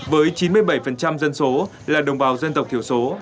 với chín mươi bảy dân số là đồng bào dân tộc thiểu số